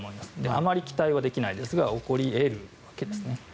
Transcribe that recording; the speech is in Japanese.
あまり期待はできないですが起こり得るんですね。